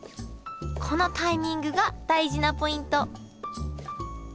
このタイミングが大事なポイント